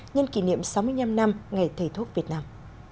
nhân kỷ niệm sáu mươi năm năm ngày thầy thuốc việt nam